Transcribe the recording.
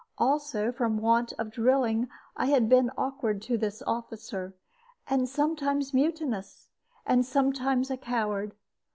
Also, from want of drilling, I had been awkward to this officer, and sometimes mutinous, and sometimes a coward.